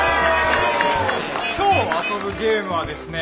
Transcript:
今日遊ぶゲームはですね